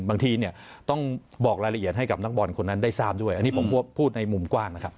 บางทีเนี่ยต้องบอกรายละเอียดให้กับนักบอลคนนั้นได้ทราบด้วยอันนี้ผมพูดในมุมกว้างนะครับ